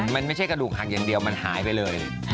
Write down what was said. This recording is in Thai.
มันไม่ใช่กระดูกหักอย่างเดียวมันหายไปเลย